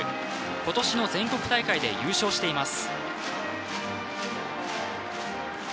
今年の全国大会で優勝しています。